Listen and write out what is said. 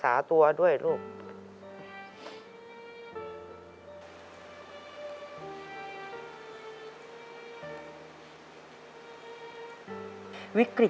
แต่ที่แม่ก็รักลูกมากทั้งสองคน